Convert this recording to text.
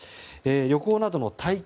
旅行などの体験